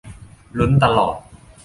ลุ้นตลอด